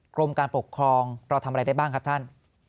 กรมการปกครองเราทำอะไรได้บ้างครับท่าน